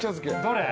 どれ？